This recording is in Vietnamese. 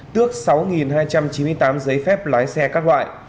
tước sáu hai trăm chín mươi tám giấy phép lái xe các loại